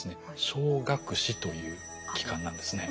小顎髭という器官なんですね。